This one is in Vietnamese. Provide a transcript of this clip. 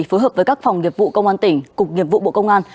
phối hợp với các phòng nghiệp vụ công an tỉnh cục nghiệp vụ bộ công an